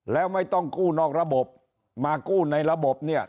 แล้วไม่ต้องกู้นอกระบบมากู้ในระบบเนี่ย